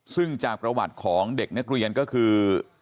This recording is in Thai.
ซึ่งจากประวัติของเด็กนักเรียนก็คือ